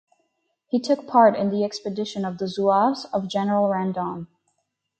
He took part in the expedition of the Zouaves of General Randon.